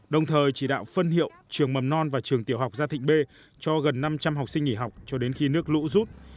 đồng thời chỉ đạo phân hiệu trường mầm non và trường tiểu học gia thịnh b cho gần năm trăm linh học sinh nghỉ học cho đến khi nước lũ rút